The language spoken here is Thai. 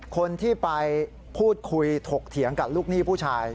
คนที่ไปพูดคุยถกเถียงกับลูกหนี้ผู้ชาย